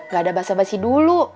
gak ada bahasa bahasa dulu